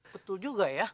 betul juga ya